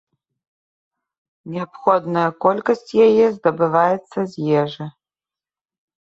Неабходная колькасць яе здабываецца з ежы.